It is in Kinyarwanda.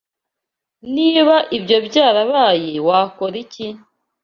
Niba ibyo byarabaye, wakora iki?